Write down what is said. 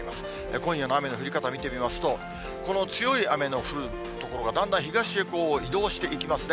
今夜の雨の降り方見てみますと、この強い雨の降る所が、だんだん東へ移動していきますね。